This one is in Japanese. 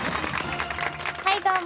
はいどうも！